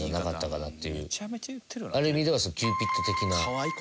あれに似てますキューピッド的な。